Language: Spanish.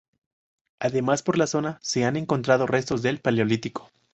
Además por la zona se han encontrado restos del Paleolítico.